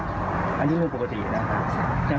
อันนี้โรงพยาบาลปกตินะครับ